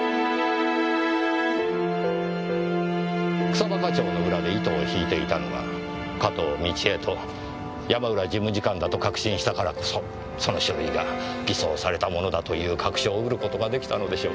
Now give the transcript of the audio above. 草葉課長の裏で糸を引いていたのが加東倫恵と山浦事務次官だと確信したからこそその書類が偽装されたものだという確証を得る事が出来たのでしょう。